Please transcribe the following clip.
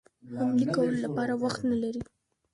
حملې کولو لپاره وخت نه لري.